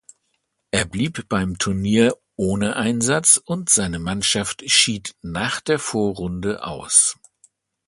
Er blieb beim Turnier ohne Einsatz und seine Mannschaft schied nach der Vorrunde aus.